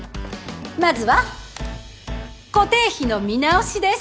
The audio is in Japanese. まずは「固定費の見直し」です。